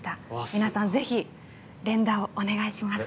皆さん、ぜひ連打をお願いします。